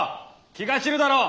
・気が散るだろう。